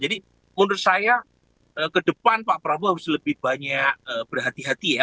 jadi menurut saya ke depan pak prabowo harus lebih banyak berhati hati ya